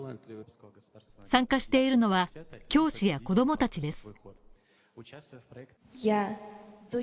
参加しているのは、教師や子供たちです。